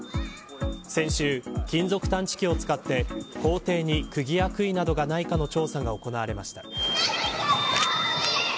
先週、金属探知機を使って校庭に、くぎやくいなどがないかの調査が行われました。